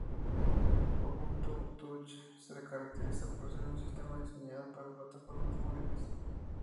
Ubuntu Touch se caracteriza por ser un sistema diseñado para plataformas móviles.